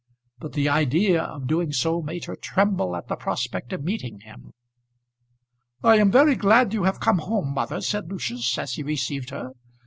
But the idea of doing so made her tremble at the prospect of meeting him. "I am very glad you have come home, mother," said Lucius, as he received her.